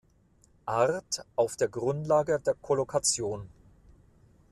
Art auf der Grundlage der Kollokation.